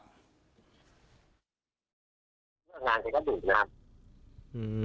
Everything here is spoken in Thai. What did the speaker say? ร่วมงานก็จะดื่มทุกวัน